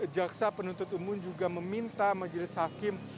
jaksa penuntut umum juga meminta majelis hakim